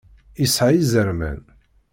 Isεa izerman.